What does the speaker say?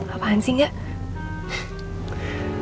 apaan sih gak